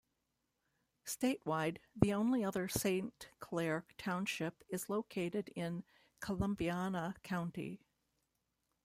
Statewide, the only other Saint Clair Township is located in Columbiana County.